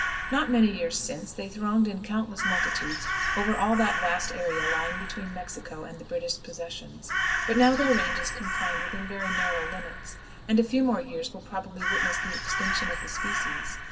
Not many years since they thronged in countless multitudes over all that vast area lying between Mexico and the British possessions, but now their range is confined within very narrow limits, and a few more years will probably witness the extinction of the species.